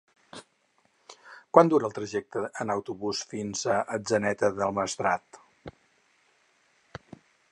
Quant dura el trajecte en autobús fins a Atzeneta del Maestrat?